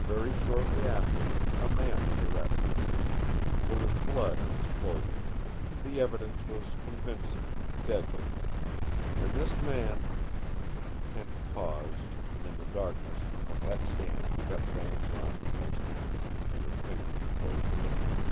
Very shortly afterward a man was arrested. There was blood on his clothing. The evidence was convincing, deadly. And this man " Kent paused, and in the darkness Marette's hand crept down his arm to his hand, and her fingers closed round it.